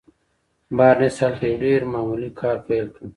بارنس هلته يو ډېر معمولي کار پيل کړ.